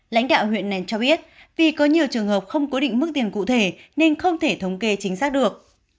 lãnh đạo huyện nèn cho biết vì có nhiều trường hợp không cố định mức tiền cụ thể nên không thể thống kê chính xác được